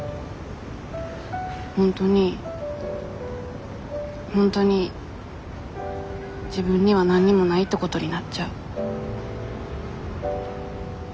本当に本当に自分には何にもないってことになっちゃう。